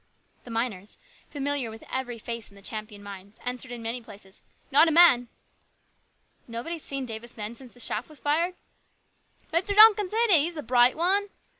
The miners, familiar with every face in the Champion mines, answered in many places :" Not a man." " Nobody's seen Davis men since the shaft was fired ?"" Mr. Duncan's hit it ! He's a bright one."